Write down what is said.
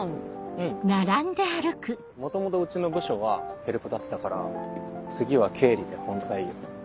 うん元々うちの部署はヘルプだったから次は経理で本採用。